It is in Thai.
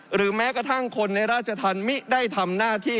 หรือแม้กระทั่งคนในราชธรรมมิได้ทำหน้าที่